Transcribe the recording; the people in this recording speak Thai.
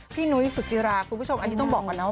นุ้ยสุจิราคุณผู้ชมอันนี้ต้องบอกก่อนนะว่า